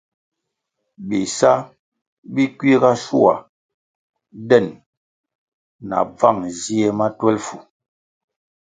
Bisa bi kiuga shua den na bvan zie ma twelfu.